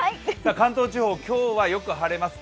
関東地方、今日はよく晴れます。